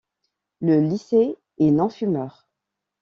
Le lycée est non-fumeur.